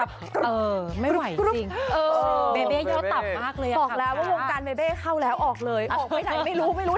พี่อาจารย์กรับแล้วไม่ใหม่จริง